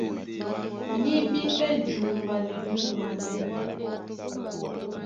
Ní bí pɛ́ jumbanɛ mɔ́ ɓwambí.